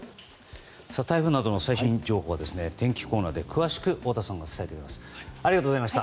台風などの最新情報は天気コーナーで詳しく大田さんが伝えてくださいます。